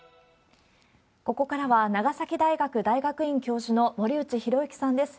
ここからは長崎大学大学院教授の森内浩幸さんです。